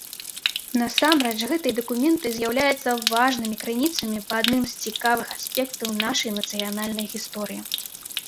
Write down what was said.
Насамрэч, гэтыя дакументы з'яўляюцца важнымі крыніцамі па адным з цікавых аспектаў нашай нацыянальнай гісторыі.